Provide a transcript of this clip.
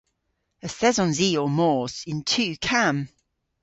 Yth esons i ow mos yn tu kamm.